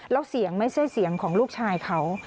แล้วเสียงไม่ใช่เสียงของลูกชายเขา